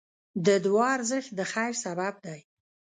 د دعا ارزښت د خیر سبب دی.